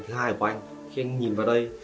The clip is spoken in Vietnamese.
thứ hai của anh khi anh nhìn vào đây